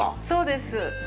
そうです。